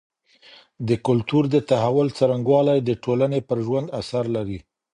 د کلتور د تحول څرنګوالی د ټولني پر ژوند اثر لري.